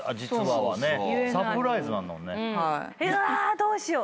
どうしよう。